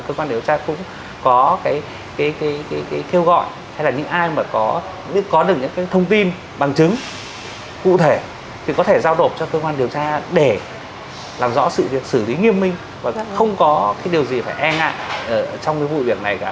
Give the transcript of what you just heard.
cơ quan điều tra cũng có cái kêu gọi hay là những ai mà biết có được những thông tin bằng chứng cụ thể thì có thể giao nộp cho cơ quan điều tra để làm rõ sự việc xử lý nghiêm minh và không có cái điều gì phải e ngại trong cái vụ việc này cả